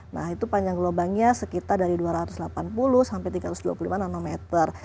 nah itu panjang gelombangnya sekitar dari dua ratus delapan puluh sampai tiga ratus dua puluh lima nanometer